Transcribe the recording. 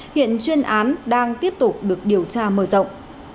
hiện chuyên án đang tiếp tục được điều tra mở rộng